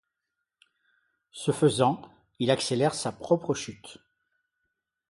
Se faisant, il accélère sa propre chute.